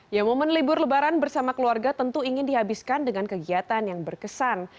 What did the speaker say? ya momen libur lebaran bersama keluarga tentu ingin dihabiskan dengan kegiatan yang berkesan